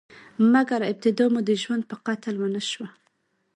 مګر، ابتدا مو د ژوندون په قتل ونشوه؟